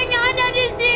itu bukannya ada di situ